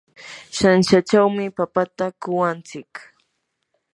shanshachawmi papata kuwantsik.